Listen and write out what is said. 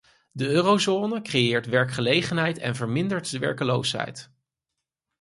De eurozone creëert werkgelegenheid en vermindert de werkloosheid.